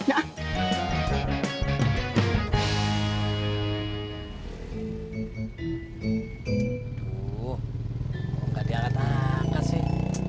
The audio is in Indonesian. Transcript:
aduh kok gak diangkat angkat sih